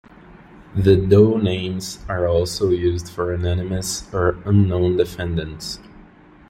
The Doe names are also used for anonymous or unknown defendants.